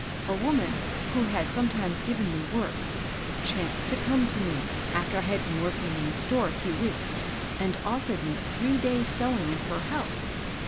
A woman, who had sometimes given me work, chanced to come to me after I had been working in the store a few weeks, and offered me three days' sewing in h6r house.